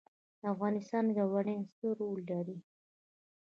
د افغانستان ګاونډیان څه رول لري؟